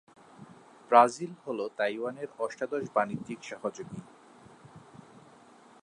Brazil হল তাইওয়ানের অষ্টাদশ বাণিজ্যিক সহযোগী।